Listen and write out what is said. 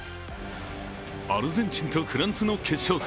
アルゼンチンとフランスの決勝戦。